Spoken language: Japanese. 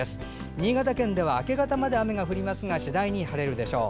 新潟県では明け方まで雨が降りますが次第に晴れるでしょう。